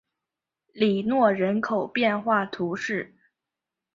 里诺人口变化图示